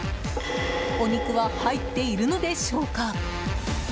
お肉は入っているのでしょうか。